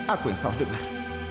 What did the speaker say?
aku yang salah dengar